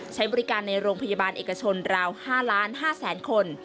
ใช้บริการในโรงพยาบาลเอกชนราว๕๕๐๐๐คน